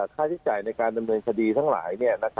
ค่าใช้จ่ายในการดำเนินคดีทั้งหลาย